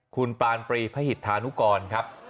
คุณปานปรีพศธานุกรครับ